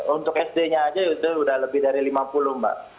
untuk sd nya aja itu sudah lebih dari lima puluh mbak